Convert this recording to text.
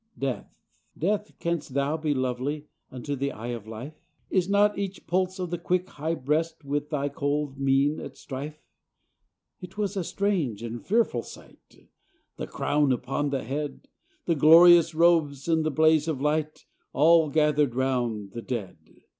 Death! Death! canst thou be lovely Unto the eye of life? Is not each pulse of the quick high breast With thy cold mien at strife? — It was a strange and fearful sight, The crown upon that head, The glorious robes, and the blaze of light, All gathered round the dead!